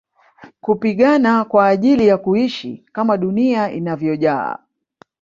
Kupigana kwa ajili ya kuishi kama dunia inavyojaa